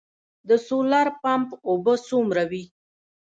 د سولر پمپ اوبه څومره وي؟